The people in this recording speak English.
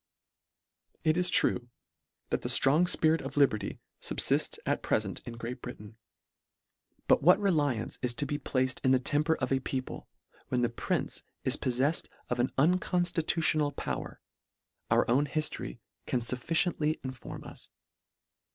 It is true, that a ftrong fpirit of liberty fublifts at prefent in Great Britain, but what reliance is to be placed in the temper of a people, when the prince is pofleffed of an un conftitutional power, our own hiftory can fuf ficiently inform us.